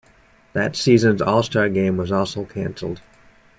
That season's All-Star Game was also canceled.